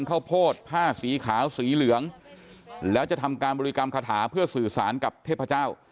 ข้าวโพดผ้าสีขาวสีเหลืองแล้วจะทำการบริกรรมคาถาเพื่อสื่อสารกับเทพเจ้า